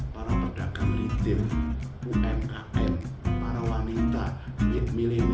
para pedagang ritim umkm para wanita milik